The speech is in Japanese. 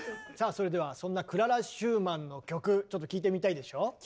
それではそんなクララ・シューマンの曲ちょっと聴いてみたいでしょう？